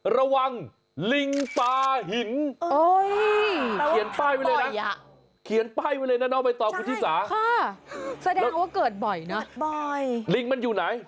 ระวังลิงป่าหิน